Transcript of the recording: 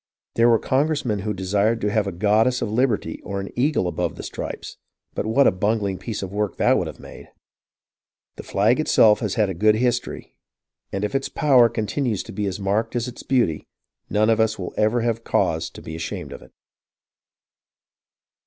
There were Congressmen who desired to have a goddess of lib erty or an eagle above the stripes, but what a bungling piece of work that would have made ! The flag itself has had a good history, and if its power continues to be as marked as its beauty, none of us will ever have cause to be ashamed of it.